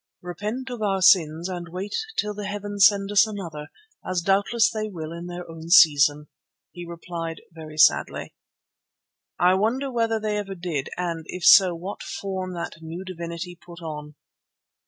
"Repent us of our sins and wait till the Heavens send us another, as doubtless they will in their own season," he replied very sadly. I wonder whether they ever did and, if so, what form that new divinity put on.